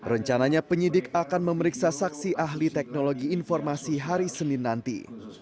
rencananya penyidik akan memeriksa saksi ahli teknologi informasi hari senin nanti